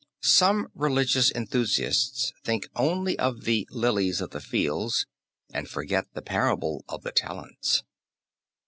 Some religious enthusiasts think only of the "lilies of the fields" and forget the parable of the talents.